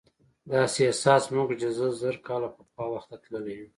داسې احساس مې وکړ چې زه زر کاله پخوا وخت ته تللی یم.